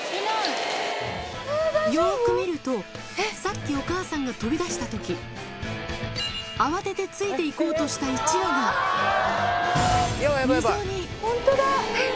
よーく見ると、さっきお母さんが飛び出したとき、慌ててついていこうとした１羽が、溝に。